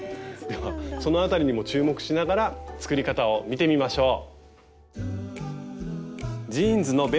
ではその辺りにも注目しながら作り方を見てみましょう。